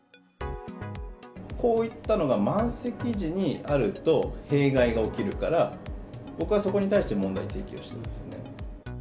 こういったのが満席時にあると弊害が起きるから、僕はそこに対して問題提起をしているんですよね。